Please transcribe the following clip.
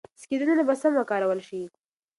سکرینونه به سم وکارول شي.